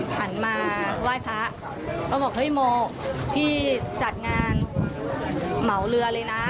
หันมาไหว้พระก็บอกเฮ้ยโมพี่จัดงานเหมาเรือเลยนะ